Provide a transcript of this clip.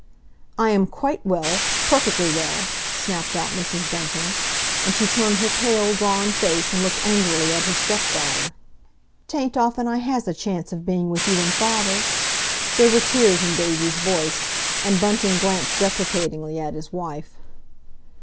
"I am quite well—perfectly well!" snapped out Mrs. Bunting, and she turned her pale, drawn face, and looked angrily at her stepdaughter. "'Tain't often I has a chance of being with you and father." There were tears in Daisy's voice, and Bunting glanced deprecatingly at his wife.